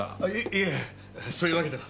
いえそういうわけでは。